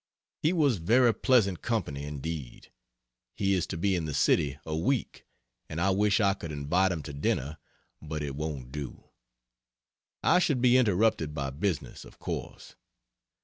He was very pleasant company indeed. He is to be in the city a week, and I wish I could invite him to dinner, but it won't do. I should be interrupted by business, of course.